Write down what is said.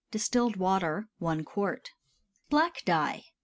Distilled water 1 qt. BLACK DYE.